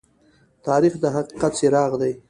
تاریخ د حقیقت څراغ دى.